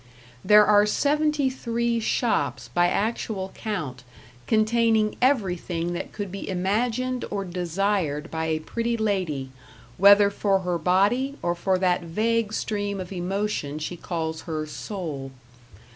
There are seventy three shops, by actual count, containing everything that could be imagined or desired by a pretty lady, whether for her body, or for that vague stream of emotion she calls her "soul".